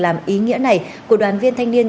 làm ý nghĩa này của đoàn viên thanh niên